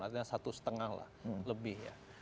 artinya satu setengah lah lebih ya